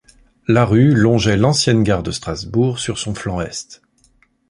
La rue longeait l'ancienne gare de Strasbourg sur son flanc est.